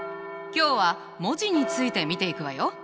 今日は文字について見ていくわよ！